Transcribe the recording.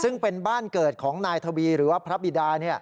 ซึ่งเป็นบ้านเกิดของนายทวีหรือว่าพระบิดา